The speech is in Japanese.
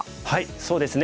そうですね